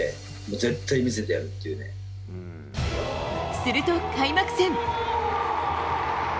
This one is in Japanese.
すると、開幕戦。